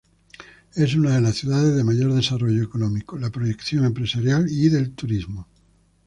Es una las ciudades de mayor desarrollo económico, la proyección empresarial y del turismo.